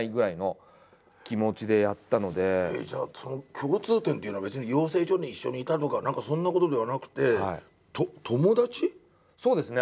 共通点っていうのは別に養成所に一緒にいたとか何かそんなことではなくてそうですね。